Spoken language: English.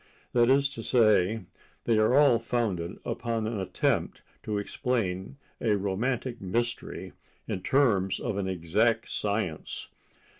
That is to say, they are all founded upon an attempt to explain a romantic mystery in terms of an exact science.